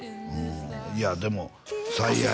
いやでも「最愛」